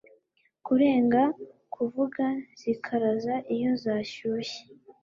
Kurenga Kuvuga zikaraza iyo zashyushye